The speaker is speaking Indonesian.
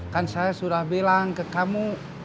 kan saya sudah bilang ke kamu